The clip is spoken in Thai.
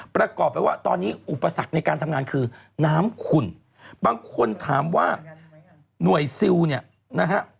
ประกอบไปว่าตอนนี้อุปสรรคในการทำงานคือน้ำขุ่นบางคนถามว่าหน่วยซิลเนี่ยนะฮะ